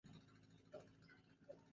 kulevya pindi fulanifulani Waigizaji wengi